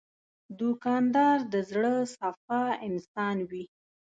دوکاندار د زړه صفا انسان وي.